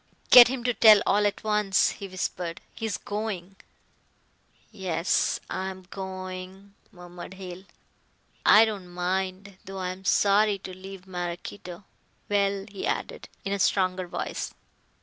"Get him to tell all at once," he whispered, "he's going." "Yes, I'm going," murmured Hale. "I don't mind, though I am sorry to leave Maraquito. Well," he added, in a stronger voice.